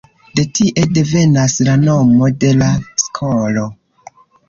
De tie devenas la nomo de la skolo.